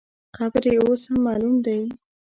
قبر یې اوس هم معلوم دی.